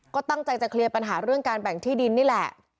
ก็ตั้งใจจะเคลียร์ปัญหาเรื่องการแบ่งที่ดินนี่แหละ